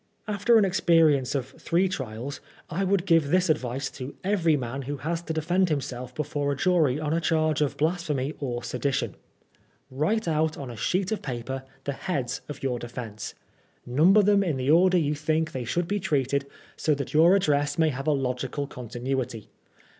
After an experience of three trials, I would give this advice to every man who has to defend himself before a jury on a charge of blasphemy or sedition —" Write out on a sheet of paper the heads of your defence. Number them in the order you think they should be treated, so that your address may have a logical continuity.